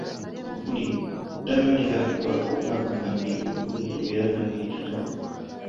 Buli ddaala lyatuukako abba ebibuuzo era nabiyitira waggulu.